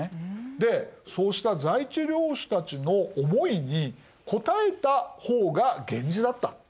でそうした在地領主たちの思いに応えた方が源氏だった。